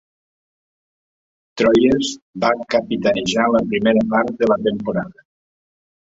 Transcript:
Troyes va capitanejar la primera part de la temporada.